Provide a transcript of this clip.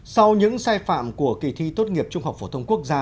sau những sai phạm của kỳ thi tốt nghiệp trung học phổ thông quốc gia